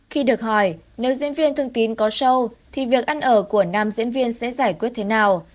khi được hỏi nếu diễn viên thương tín có show thì việc ăn ở của nam diễn viên sẽ giải quyết thế nào